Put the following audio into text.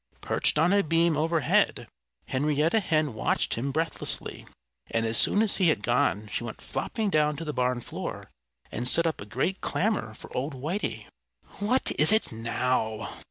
Perched on a beam overhead Henrietta Hen watched him breathlessly. And as soon as he had gone she went flopping down to the barn floor and set up a great clamor for old Whitey. "What is it now?"